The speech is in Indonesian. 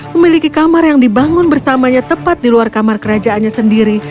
memiliki kamar yang dibangun bersamanya tepat di luar kamar kerajaannya sendiri